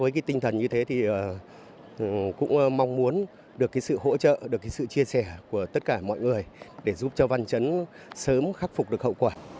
cũng mong muốn được sự hỗ trợ được sự chia sẻ của tất cả mọi người để giúp cho văn chấn sớm khắc phục được hậu quả